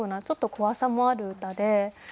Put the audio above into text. ちょっと怖さもある歌で。